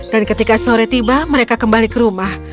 dan ketika sore tiba mereka kembali ke rumah